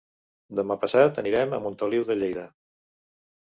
Demà passat anirem a Montoliu de Lleida.